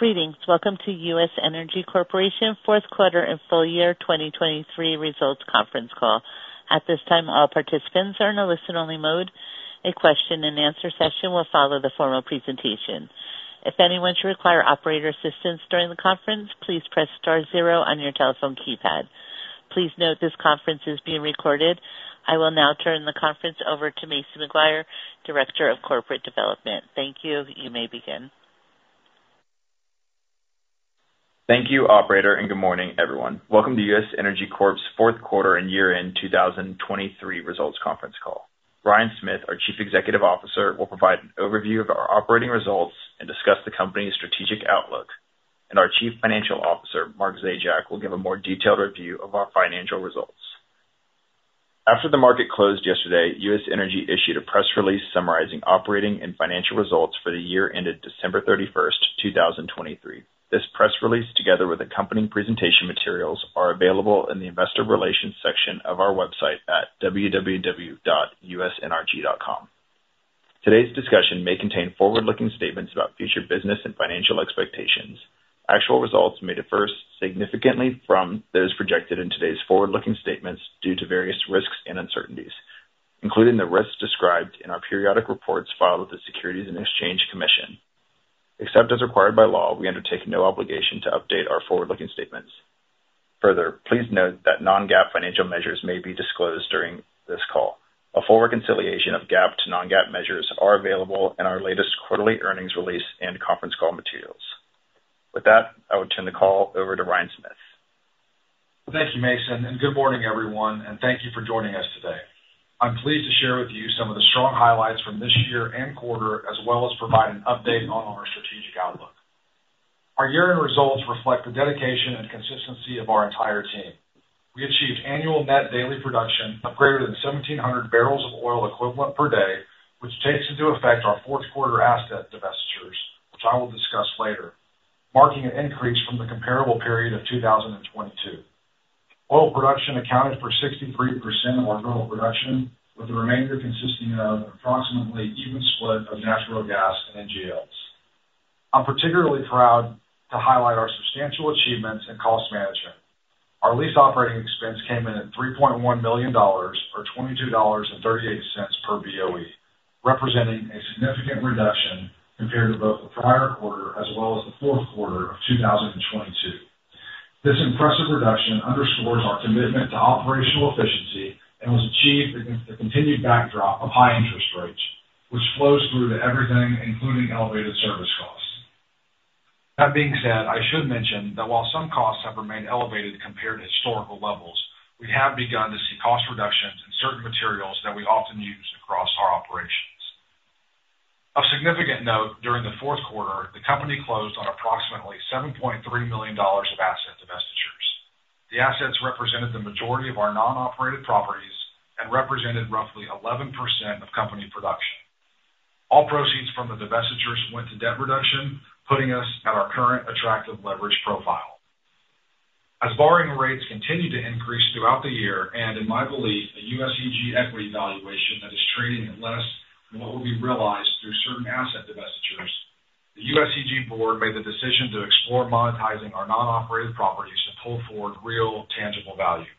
Greetings! Welcome to U.S. Energy Corporation fourth quarter and full year 2023 results conference call. At this time, all participants are in a listen-only mode. A question-and-answer session will follow the formal presentation. If anyone should require operator assistance during the conference, please press star zero on your telephone keypad. Please note this conference is being recorded. I will now turn the conference over to Mason McGuire, Director of Corporate Development. Thank you. You may begin. Thank you, operator, and good morning, everyone. Welcome to U.S. Energy Corp.'s fourth quarter and year-end 2023 results conference call. Ryan Smith, our Chief Executive Officer, will provide an overview of our operating results and discuss the company's strategic outlook, and our Chief Financial Officer, Mark Zajac, will give a more detailed review of our financial results. After the market closed yesterday, U.S. Energy issued a press release summarizing operating and financial results for the year ended December 31st, 2023. This press release, together with accompanying presentation materials, are available in the Investor Relations section of our website at www.usnrg.com. Today's discussion may contain forward-looking statements about future business and financial expectations. Actual results may differ significantly from those projected in today's forward-looking statements due to various risks and uncertainties, including the risks described in our periodic reports filed with the Securities and Exchange Commission. Except as required by law, we undertake no obligation to update our forward-looking statements. Further, please note that non-GAAP financial measures may be disclosed during this call. A full reconciliation of GAAP to non-GAAP measures are available in our latest quarterly earnings release and conference call materials. With that, I would turn the call over to Ryan Smith. Thank you, Mason, and good morning, everyone, and thank you for joining us today. I'm pleased to share with you some of the strong highlights from this year and quarter, as well as provide an update on our strategic outlook. Our year-end results reflect the dedication and consistency of our entire team. We achieved annual net daily production of greater than 1,700 bbl of oil equivalent per day, which takes into effect our fourth quarter asset divestitures, which I will discuss later, marking an increase from the comparable period of 2022. Oil production accounted for 63% of our total production, with the remainder consisting of approximately even split of natural gas and NGLs. I'm particularly proud to highlight our substantial achievements in cost management. Our lease operating expense came in at $3.1 million, or $22.38 per BOE, representing a significant reduction compared to both the prior quarter as well as the fourth quarter of 2022. This impressive reduction underscores our commitment to operational efficiency and was achieved against the continued backdrop of high interest rates, which flows through to everything, including elevated service costs. That being said, I should mention that while some costs have remained elevated compared to historical levels, we have begun to see cost reductions in certain materials that we often use across our operations. Of significant note, during the fourth quarter, the company closed on approximately $7.3 million of asset divestitures. The assets represented the majority of our non-operated properties and represented roughly 11% of company production. All proceeds from the divestitures went to debt reduction, putting us at our current attractive leverage profile. As borrowing rates continued to increase throughout the year, and in my belief, the USEG equity valuation that is trading at less than what will be realized through certain asset divestitures, the USEG board made the decision to explore monetizing our non-operated properties to pull forward real, tangible value.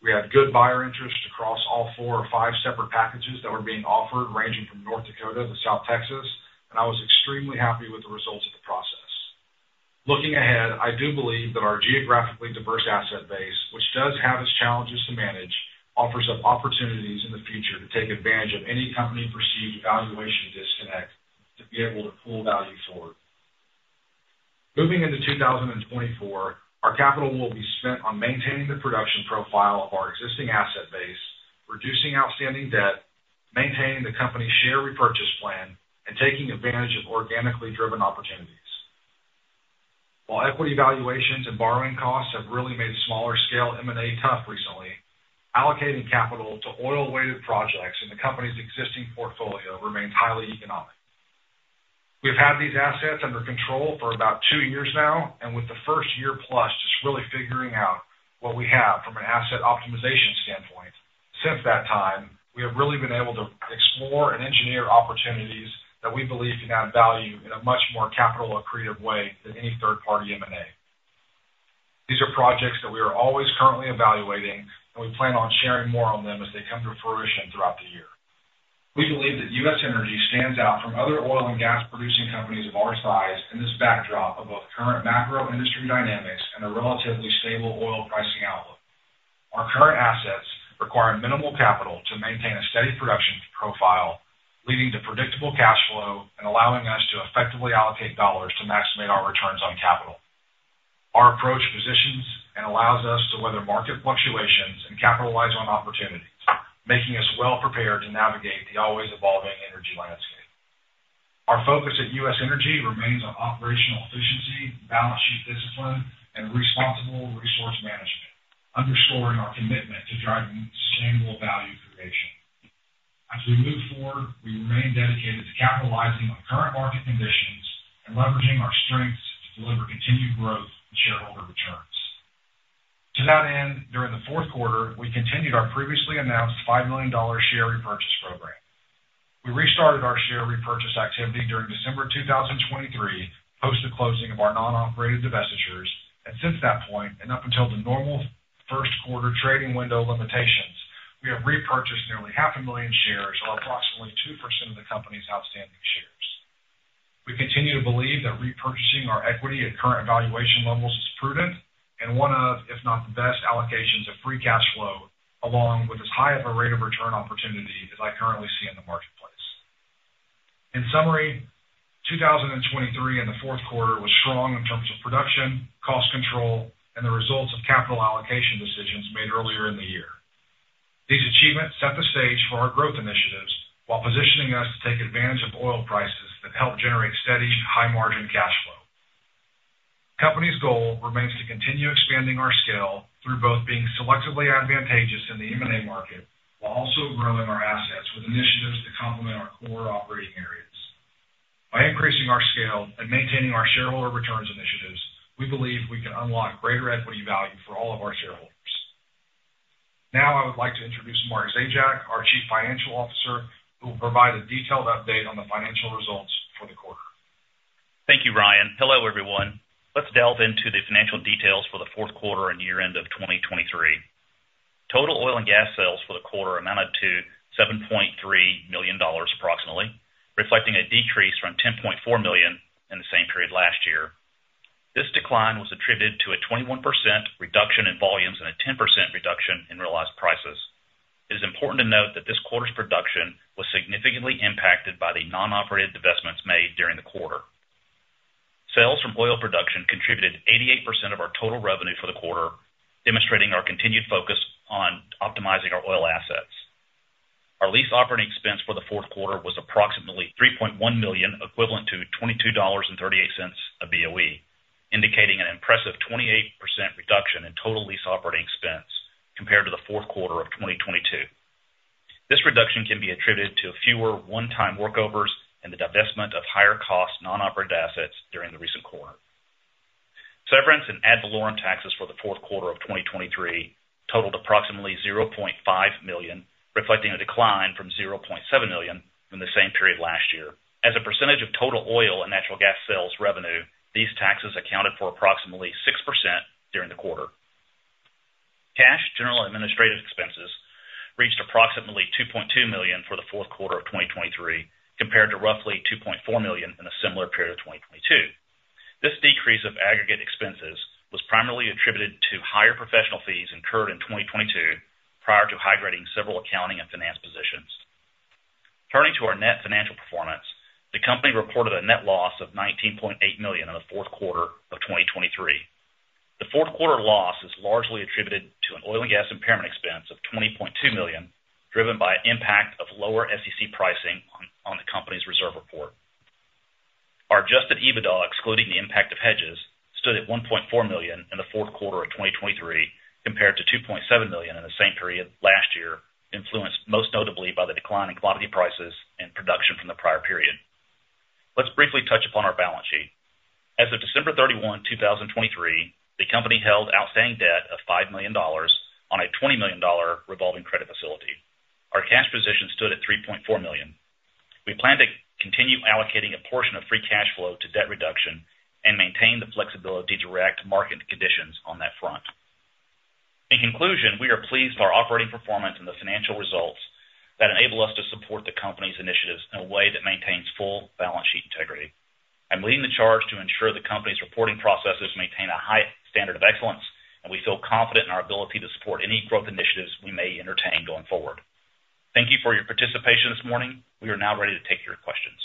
We had good buyer interest across all four or five separate packages that were being offered, ranging from North Dakota to South Texas, and I was extremely happy with the results of the process. Looking ahead, I do believe that our geographically diverse asset base, which does have its challenges to manage, offers up opportunities in the future to take advantage of any company-perceived valuation disconnect to be able to pull value forward. Moving into 2024, our capital will be spent on maintaining the production profile of our existing asset base, reducing outstanding debt, maintaining the company's share repurchase plan, and taking advantage of organically driven opportunities. While equity valuations and borrowing costs have really made smaller scale M&A tough recently, allocating capital to oil-weighted projects in the company's existing portfolio remains highly economic. We've had these assets under control for about two years now, and with the first year plus just really figuring out what we have from an asset optimization standpoint. Since that time, we have really been able to explore and engineer opportunities that we believe can add value in a much more capital accretive way than any third-party M&A. These are projects that we are always currently evaluating, and we plan on sharing more on them as they come to fruition throughout the year. We believe that U.S. Energy stands out from other oil and gas producing companies of our size in this backdrop of both current macro industry dynamics and a relatively stable oil pricing outlook. Our current assets require minimal capital to maintain a steady production profile, leading to predictable cash flow and allowing us to effectively allocate dollars to maximize our returns on capital. Our approach positions and allows us to weather market fluctuations and capitalize on opportunities, making us well prepared to navigate the always evolving energy landscape. Our focus at U.S. Energy remains on operational efficiency, balance sheet discipline, and responsible resource management, underscoring our commitment to driving sustainable value creation. As we move forward, we remain dedicated to capitalizing on current market conditions and leveraging our strengths to deliver continued growth and shareholder value. To that end, during the fourth quarter, we continued our previously announced $5 million share repurchase program. We restarted our share repurchase activity during December 2023, post the closing of our non-operated divestitures, and since that point, and up until the normal first quarter trading window limitations, we have repurchased nearly 500,000 shares, or approximately 2% of the company's outstanding shares. We continue to believe that repurchasing our equity at current valuation levels is prudent and one of, if not the best, allocations of free cash flow, along with as high of a rate of return opportunity as I currently see in the marketplace. In summary, 2023 and the fourth quarter was strong in terms of production, cost control, and the results of capital allocation decisions made earlier in the year. These achievements set the stage for our growth initiatives while positioning us to take advantage of oil prices that help generate steady, high margin cash flow. Company's goal remains to continue expanding our scale through both being selectively advantageous in the M&A market, while also growing our assets with initiatives to complement our core operating areas. By increasing our scale and maintaining our shareholder returns initiatives, we believe we can unlock greater equity value for all of our shareholders. Now, I would like to introduce Mark Zajac, our Chief Financial Officer, who will provide a detailed update on the financial results for the quarter. Thank you, Ryan. Hello, everyone. Let's delve into the financial details for the fourth quarter and year-end of 2023. Total oil and gas sales for the quarter amounted to $7.3 million, approximately, reflecting a decrease from $10.4 million in the same period last year. This decline was attributed to a 21% reduction in volumes and a 10% reduction in realized prices. It is important to note that this quarter's production was significantly impacted by the non-operated divestments made during the quarter. Sales from oil production contributed 88% of our total revenue for the quarter, demonstrating our continued focus on optimizing our oil assets. Our lease operating expense for the fourth quarter was approximately $3.1 million, equivalent to $22.38 a BOE, indicating an impressive 28% reduction in total lease operating expense compared to the fourth quarter of 2022. This reduction can be attributed to fewer one-time workovers and the divestment of higher cost non-operated assets during the recent quarter. Severance and ad valorem taxes for the fourth quarter of 2023 totaled approximately $0.5 million, reflecting a decline from $0.7 million in the same period last year. As a percentage of total oil and natural gas sales revenue, these taxes accounted for approximately 6% during the quarter. Cash general administrative expenses reached approximately $2.2 million for the fourth quarter of 2023, compared to roughly $2.4 million in a similar period of 2022. This decrease of aggregate expenses was primarily attributed to higher professional fees incurred in 2022, prior to hiring several accounting and finance positions. Turning to our net financial performance, the company reported a net loss of $19.8 million in the fourth quarter of 2023. The fourth quarter loss is largely attributed to an oil and gas impairment expense of $20.2 million, driven by an impact of lower SEC pricing on the company's reserve report. Our adjusted EBITDA, excluding the impact of hedges, stood at $1.4 million in the fourth quarter of 2023, compared to $2.7 million in the same period last year, influenced most notably by the decline in commodity prices and production from the prior period. Let's briefly touch upon our balance sheet. As of December 31, 2023, the company held outstanding debt of $5 million on a $20 million revolving credit facility. Our cash position stood at $3.4 million. We plan to continue allocating a portion of free cash flow to debt reduction and maintain the flexibility to direct market conditions on that front. In conclusion, we are pleased with our operating performance and the financial results that enable us to support the company's initiatives in a way that maintains full balance sheet integrity. I'm leading the charge to ensure the company's reporting processes maintain a high standard of excellence, and we feel confident in our ability to support any growth initiatives we may entertain going forward. Thank you for your participation this morning. We are now ready to take your questions.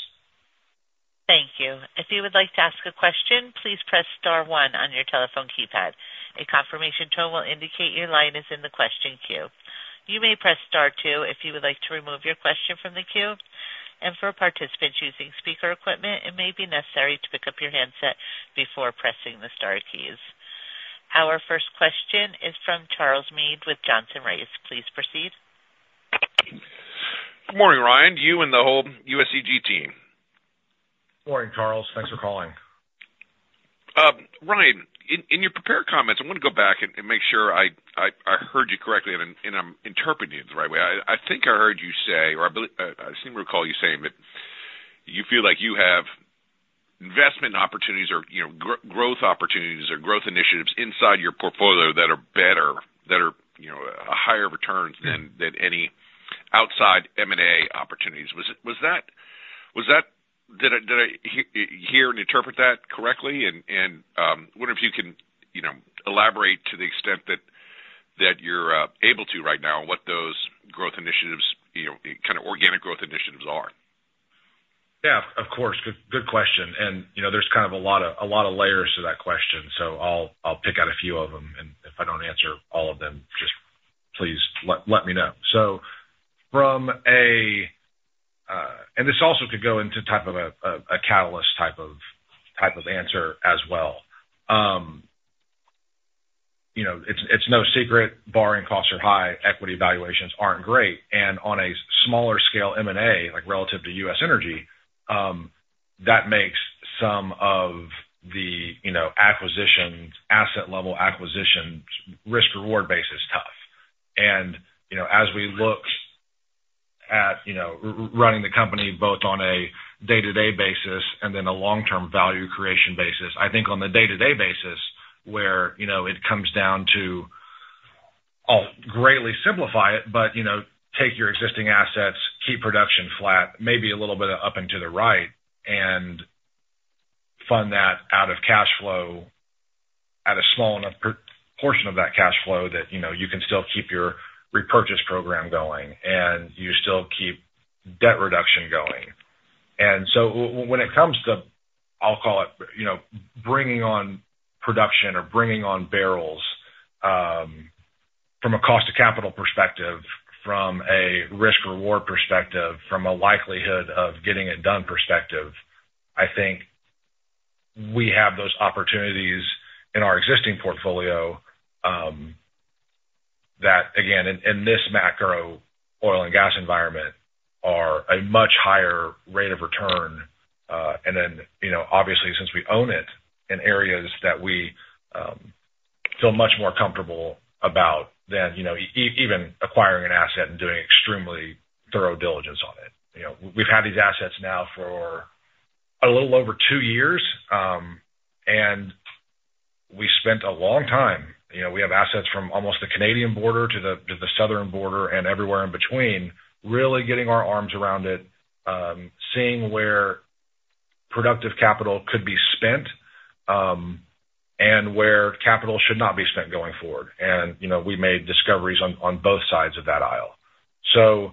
Thank you. If you would like to ask a question, please press star one on your telephone keypad. A confirmation tone will indicate your line is in the question queue. You may press star two if you would like to remove your question from the queue, and for participants using speaker equipment, it may be necessary to pick up your handset before pressing the star keys. Our first question is from Charles Meade with Johnson Rice. Please proceed. Good morning, Ryan, to you and the whole USEG team. Morning, Charles. Thanks for calling. Ryan, in your prepared comments, I want to go back and make sure I heard you correctly and I'm interpreting it the right way. I think I heard you say, or I seem to recall you saying that you feel like you have investment opportunities or, you know, growth opportunities or growth initiatives inside your portfolio that are better, that are, you know, higher returns than any outside M&A opportunities. Was that the case? Did I hear and interpret that correctly? And I wonder if you can, you know, elaborate to the extent that you're able to right now, what those growth initiatives, you know, kind of organic growth initiatives are. Yeah, of course. Good, good question. You know, there's kind of a lot of, a lot of layers to that question, so I'll pick out a few of them, and if I don't answer all of them, just please let me know. So from a... This also could go into type of a catalyst type of answer as well. You know, it's no secret borrowing costs are high, equity valuations aren't great, and on a smaller scale, M&A, like relative to U.S. Energy... that makes some of the, you know, acquisitions, asset level acquisitions, risk reward basis tough. You know, as we look at, you know, running the company both on a day-to-day basis and then a long-term value creation basis, I think on the day-to-day basis, where, you know, it comes down to, I'll greatly simplify it, but, you know, take your existing assets, keep production flat, maybe a little bit up and to the right, and fund that out of cash flow at a small enough portion of that cash flow that, you know, you can still keep your repurchase program going, and you still keep debt reduction going. When it comes to, I'll call it, you know, bringing on production or bringing on barrels, from a cost to capital perspective, from a risk reward perspective, from a likelihood of getting it done perspective, I think we have those opportunities in our existing portfolio, that again, in this macro oil and gas environment, are a much higher rate of return. And then, you know, obviously, since we own it in areas that we feel much more comfortable about than, you know, even acquiring an asset and doing extremely thorough diligence on it. You know, we've had these assets now for a little over two years, and we spent a long time. You know, we have assets from almost the Canadian border to the southern border and everywhere in between, really getting our arms around it, seeing where productive capital could be spent, and where capital should not be spent going forward. And, you know, we made discoveries on both sides of that aisle. So,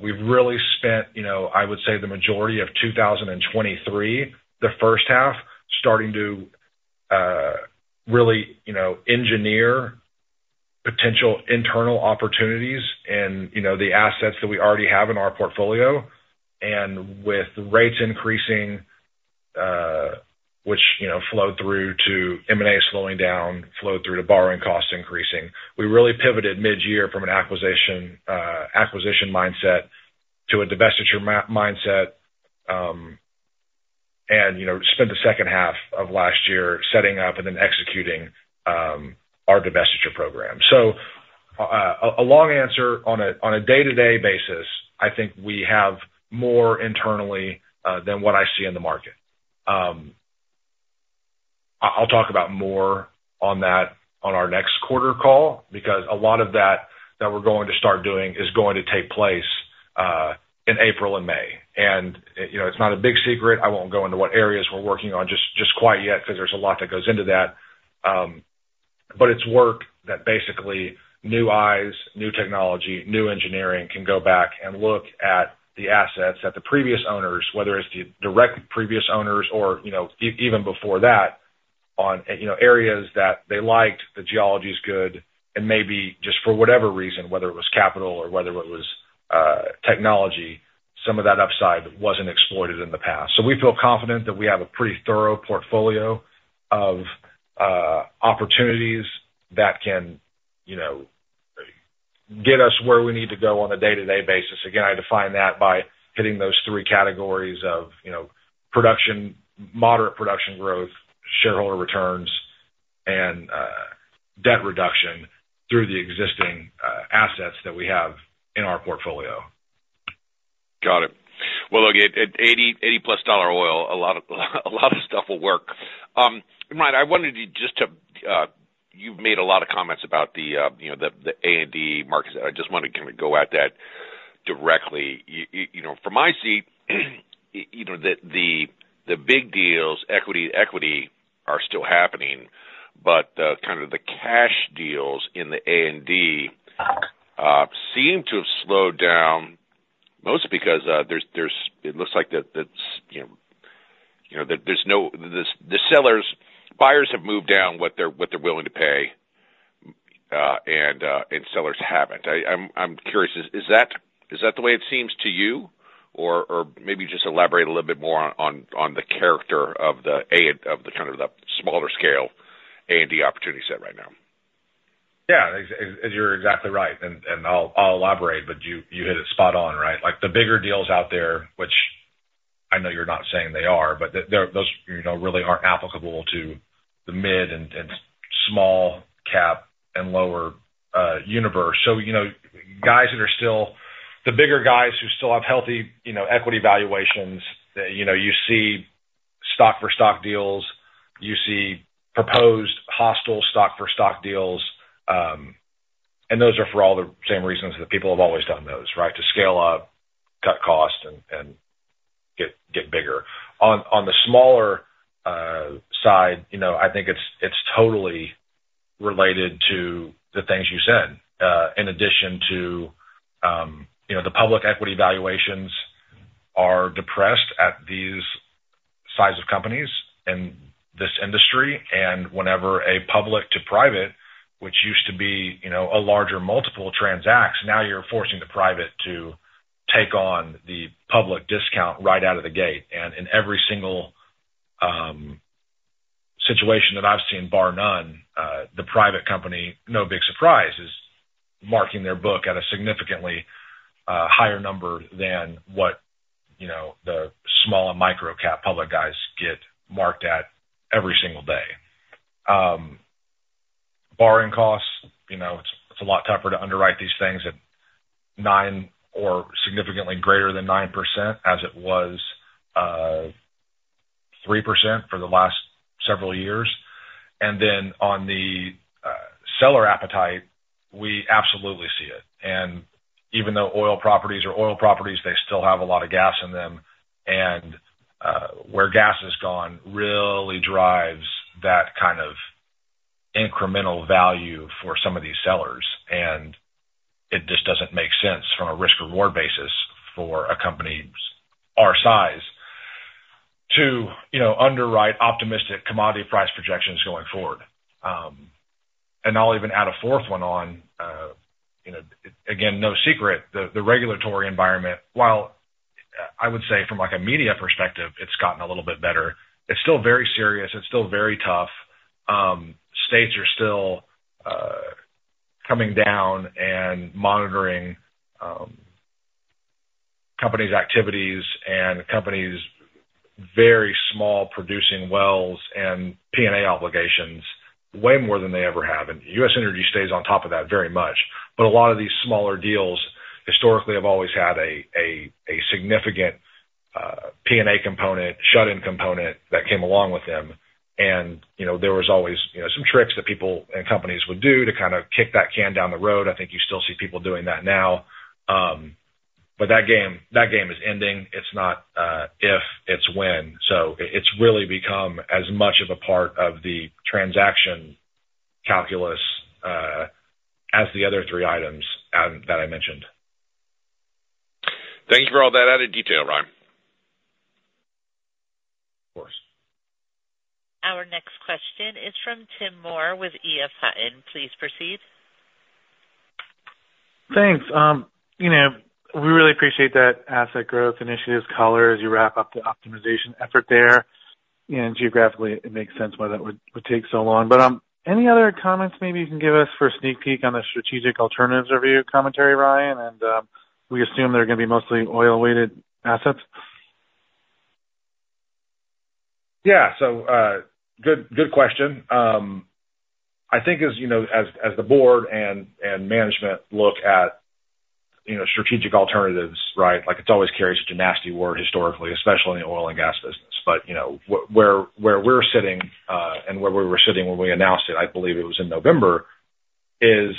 we've really spent, you know, I would say the majority of 2023, the first half, starting to really, you know, engineer potential internal opportunities and, you know, the assets that we already have in our portfolio. With rates increasing, which, you know, flowed through to M&A slowing down, flowed through to borrowing costs increasing, we really pivoted mid-year from an acquisition mindset to a divestiture mindset, and, you know, spent the second half of last year setting up and then executing our divestiture program. So, a long answer on a day-to-day basis, I think we have more internally than what I see in the market. I'll talk about more on that on our next quarter call, because a lot of that we're going to start doing is going to take place in April and May. And, you know, it's not a big secret. I won't go into what areas we're working on just quite yet, 'cause there's a lot that goes into that. But it's work that basically new eyes, new technology, new engineering, can go back and look at the assets that the previous owners, whether it's the direct previous owners or, you know, even before that, on, you know, areas that they liked, the geology is good, and maybe just for whatever reason, whether it was capital or whether it was technology, some of that upside wasn't exploited in the past. So we feel confident that we have a pretty thorough portfolio of opportunities that can, you know, get us where we need to go on a day-to-day basis. Again, I define that by hitting those three categories of, you know, production, moderate production growth, shareholder returns, and debt reduction through the existing assets that we have in our portfolio. Got it. Well, look, at $80, $80+ oil, a lot of, a lot of stuff will work. Ryan, I wanted you just to. You've made a lot of comments about the, you know, the A&D market. I just want to kind of go at that directly. You know, from my seat, you know, the big deals, equity to equity, are still happening, but kind of the cash deals in the A&D seem to have slowed down, mostly because there's, it looks like that it's, you know, that there's no. The sellers, buyers have moved down what they're, what they're willing to pay, and sellers haven't. I'm curious, is that the way it seems to you? Or, maybe just elaborate a little bit more on the character of the A&D of the kind of the smaller scale A&D opportunity set right now. Yeah, you're exactly right, and I'll elaborate, but you hit it spot on, right? Like, the bigger deals out there, which I know you're not saying they are, but they're those, you know, really are applicable to the mid and small cap and lower universe. So, you know, guys that are still... The bigger guys who still have healthy, you know, equity valuations, you know, you see stock for stock deals, you see proposed hostile stock for stock deals, and those are for all the same reasons that people have always done those, right? To scale up, cut costs, and get bigger. On the smaller side, you know, I think it's totally related to the things you said. In addition to, you know, the public equity valuations are depressed at these size of companies in this industry. And whenever a public to private, which used to be, you know, a larger multiple transacts, now you're forcing the private to take on the public discount right out of the gate, and in every single situation that I've seen, bar none, the private company, no big surprise, is marking their book at a significantly higher number than what, you know, the small and micro-cap public guys get marked at every single day. Borrowing costs, you know, it's, it's a lot tougher to underwrite these things at nine or significantly greater than 9%, as it was, three percent for the last several years. And then on the seller appetite, we absolutely see it. Even though oil properties are oil properties, they still have a lot of gas in them, and where gas is gone really drives that kind of incremental value for some of these sellers, and it just doesn't make sense from a risk/reward basis for a company our size to, you know, underwrite optimistic commodity price projections going forward. I'll even add a fourth one on, you know, again, no secret, the regulatory environment, while I would say from, like, a media perspective, it's gotten a little bit better, it's still very serious, it's still very tough. States are still coming down and monitoring companies' activities and companies' very small producing wells and P&A obligations way more than they ever have. U.S. Energy stays on top of that very much. But a lot of these smaller deals historically have always had a significant P&A component, shut-in component that came along with them. And you know, there was always you know, some tricks that people and companies would do to kind of kick that can down the road. I think you still see people doing that now, but that game, that game is ending. It's not if, it's when. So it's really become as much of a part of the transaction calculus as the other three items that I mentioned. Thank you for all that added detail, Ryan. Of course. Our next question is from Tim Moore with EF Hutton. Please proceed. Thanks. You know, we really appreciate that asset growth initiatives color as you wrap up the optimization effort there, and geographically, it makes sense why that would take so long. But, any other comments maybe you can give us for a sneak peek on the strategic alternatives review commentary, Ryan? And, we assume they're gonna be mostly oil-weighted assets. Yeah. So, good, good question. I think, as you know, as the board and management look at, you know, strategic alternatives, right? Like, it always carries such a nasty word historically, especially in the oil and gas business. But, you know, where we're sitting, and where we were sitting when we announced it, I believe it was in November, is,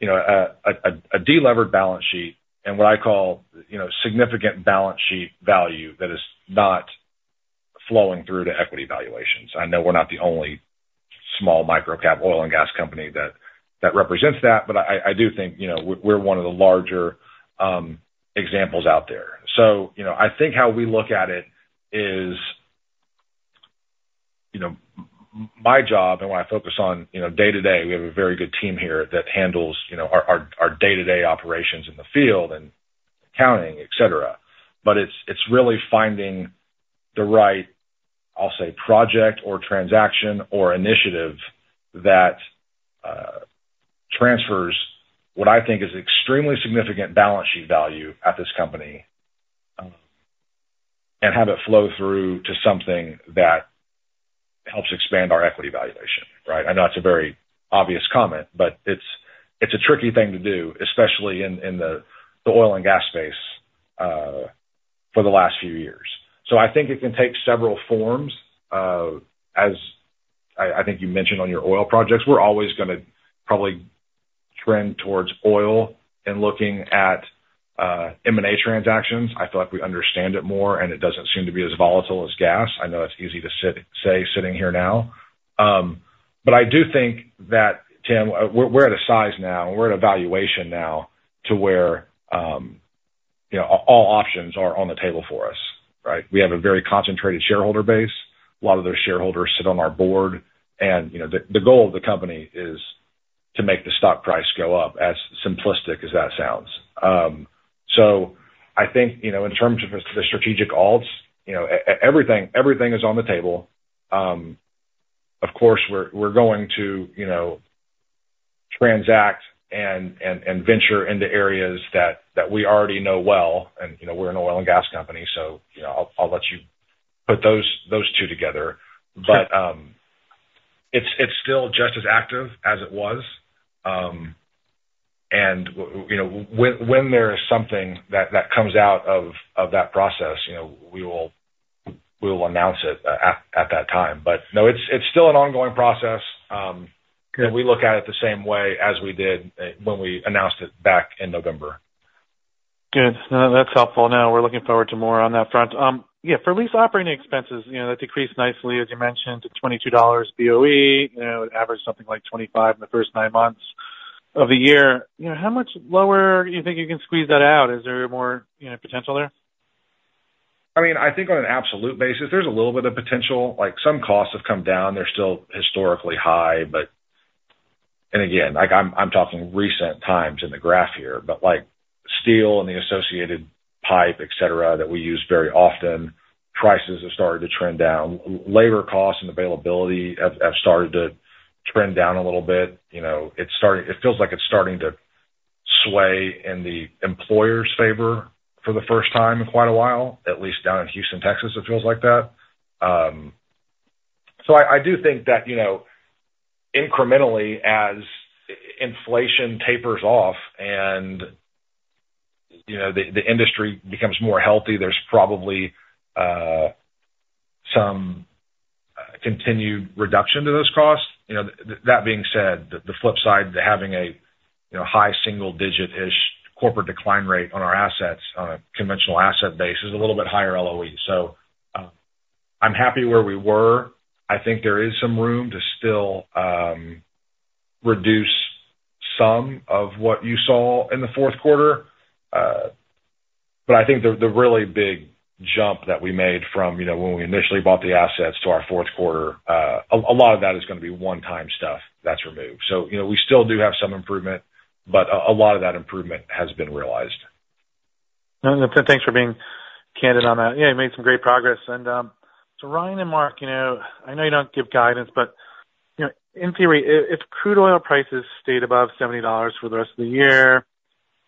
you know, a delevered balance sheet and what I call, you know, significant balance sheet value that is not flowing through to equity valuations. I know we're not the only small microcap oil and gas company that represents that, but I do think, you know, we're one of the larger examples out there. So, you know, I think how we look at it is, you know, my job and what I focus on, you know, day-to-day, we have a very good team here that handles, you know, our day-to-day operations in the field and accounting, et cetera. But it's really finding the right, I'll say, project or transaction or initiative that transfers what I think is extremely significant balance sheet value at this company, and have it flow through to something that helps expand our equity valuation, right? I know it's a very obvious comment, but it's a tricky thing to do, especially in the oil and gas space, for the last few years. So I think it can take several forms, as I think you mentioned on your oil projects, we're always gonna probably trend towards oil in looking at M&A transactions. I feel like we understand it more, and it doesn't seem to be as volatile as gas. I know that's easy to say, sitting here now. But I do think that, Tim, we're at a size now, we're at a valuation now to where, you know, all options are on the table for us, right? We have a very concentrated shareholder base. A lot of those shareholders sit on our board, and, you know, the goal of the company is to make the stock price go up, as simplistic as that sounds. So I think, you know, in terms of the strategic alts, you know, everything is on the table. Of course, we're going to, you know, transact and venture into areas that we already know well, and, you know, we're an oil and gas company, so, you know, I'll let you put those two together. But it's still just as active as it was. And you know, when there is something that comes out of that process, you know, we will announce it at that time. But no, it's still an ongoing process. And we look at it the same way as we did when we announced it back in November. Good. No, that's helpful. Now, we're looking forward to more on that front. Yeah, for lease operating expenses, you know, that decreased nicely, as you mentioned, to $22/BOE, you know, it averaged something like $25 in the first nine months of the year. You know, how much lower do you think you can squeeze that out? Is there more, you know, potential there? I mean, I think on an absolute basis, there's a little bit of potential, like some costs have come down. They're still historically high, but. And again, like I'm talking recent times in the graph here, but like steel and the associated pipe, et cetera, that we use very often, prices have started to trend down. Labor costs and availability have started to trend down a little bit. You know, it's starting, it feels like it's starting to sway in the employer's favor for the first time in quite a while, at least down in Houston, Texas, it feels like that. So I do think that, you know, incrementally, as inflation tapers off and, you know, the industry becomes more healthy, there's probably some continued reduction to those costs. You know, that being said, the flip side to having a, you know, high single digit-ish corporate decline rate on our assets, on a conventional asset base, is a little bit higher LOE. So, I'm happy where we were. I think there is some room to still reduce some of what you saw in the fourth quarter. But I think the really big jump that we made from, you know, when we initially bought the assets to our fourth quarter, a lot of that is gonna be one-time stuff that's removed. So, you know, we still do have some improvement, but a lot of that improvement has been realized. No, thanks for being candid on that. Yeah, you made some great progress. And, so Ryan and Mark, you know, I know you don't give guidance, but, you know, in theory, if crude oil prices stayed above $70 for the rest of the year,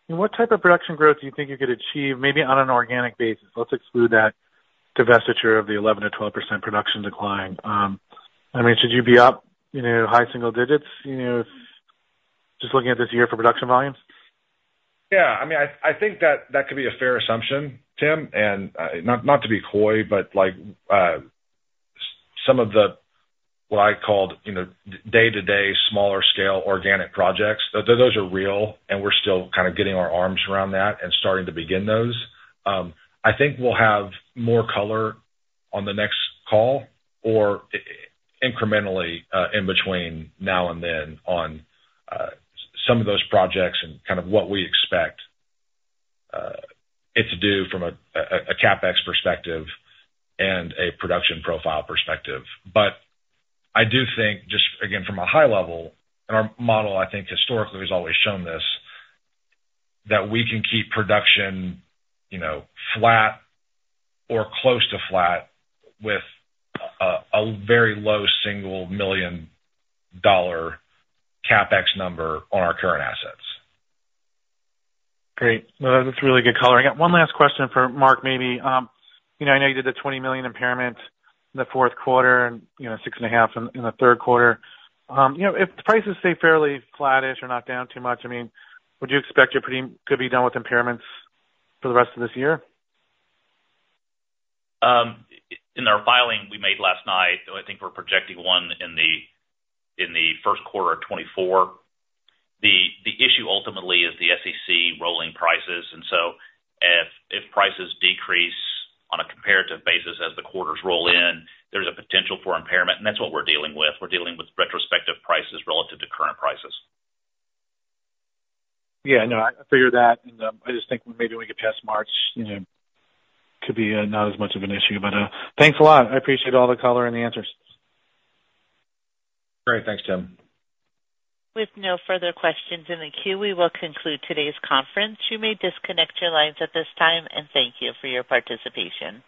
what type of production growth do you think you could achieve, maybe on an organic basis? Let's exclude that divestiture of the 11%-12% production decline. I mean, should you be up, you know, high single digits, you know, just looking at this year for production volumes? Yeah. I mean, I think that could be a fair assumption, Tim, and not to be coy, but like some of the, what I called, you know, day-to-day, smaller scale, organic projects, those are real, and we're still kind of getting our arms around that and starting to begin those. I think we'll have more color on the next call, or incrementally, in between now and then on some of those projects and kind of what we expect it to do from a CapEx perspective and a production profile perspective. But I do think, just again, from a high level, and our model, I think, historically has always shown this, that we can keep production, you know, flat or close to flat with a very low $1 million CapEx number on our current assets. Great. Well, that's really good color. I got one last question for Mark, maybe. You know, I know you did the $20 million impairment in the fourth quarter and, you know, $6.5 million in the third quarter. You know, if the prices stay fairly flattish or not down too much, I mean, would you expect you're pretty-- could be done with impairments for the rest of this year? In our filing we made last night, I think we're projecting one in the first quarter of 2024. The issue ultimately is the SEC rolling prices, and so if prices decrease on a comparative basis as the quarters roll in, there's a potential for impairment, and that's what we're dealing with. We're dealing with retrospective prices relative to current prices. Yeah, I know. I figured that, and I just think maybe we get past March, you know, could be not as much of an issue. But thanks a lot. I appreciate all the color and the answers. Great. Thanks, Tim. With no further questions in the queue, we will conclude today's conference. You may disconnect your lines at this time, and thank you for your participation.